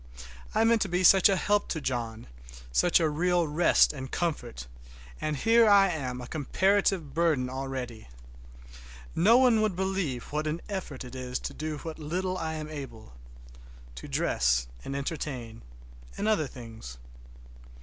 I meant to be such a help to John, such a real rest and comfort, and here I am a comparative burden already! Nobody would believe what an effort it is to do what little I am able—to dress and entertain, and order things.